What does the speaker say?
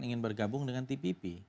ingin bergabung dengan tpp